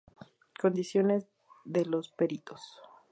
Condiciones de los peritos.